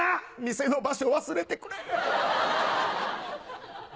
店の場所忘れてくれ。